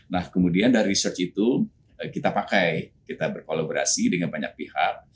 nah kemudian dari research itu kita pakai kita berkolaborasi dengan banyak pihak